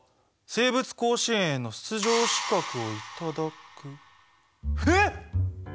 生物甲子園への出場資格をいただく！？